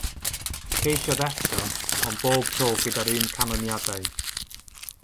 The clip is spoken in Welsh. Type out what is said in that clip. Ceisiodd eto, ond bob tro gyda'r un canlyniadau.